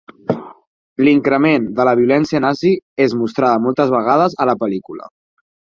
L'increment de la violència nazi és mostrada moltes vegades a la pel·lícula.